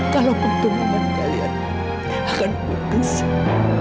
kalau bertundangan kalian akan berubah